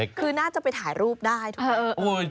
คือน่าจะไปถ่ายรูปได้